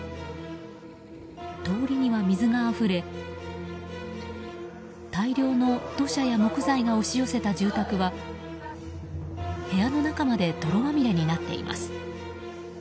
通りには水があふれ大量の土砂や木材が押し寄せた住宅は部屋の中まで泥まみれになっています。